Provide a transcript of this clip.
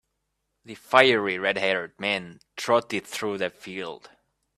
The fiery red-haired man trotted through the field.